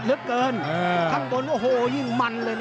กาดเกมสีแดงเดินแบ่งมูธรุด้วย